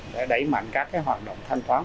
để đẩy mạnh các hoạt động thanh toán